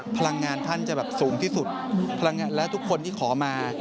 พลังงานท่านจะแบบสูงที่สุดพลังงานและทุกคนที่ขอมา